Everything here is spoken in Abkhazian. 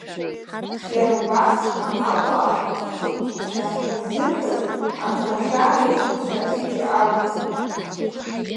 Иара убас амалуаа рҵыхәакҩцәа ҳәа ззырҳәоз анхацәа рыҷкәынцәа ҩыџьа алихит.